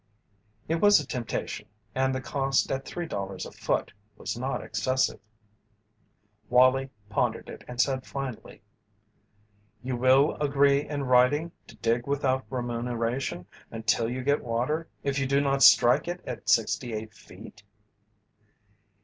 It was a temptation, and the cost at three dollars a foot was not excessive. Wallie pondered it and said finally: "You will agree in writing to dig without remuneration until you get water if you do not strike it at sixty eight feet?"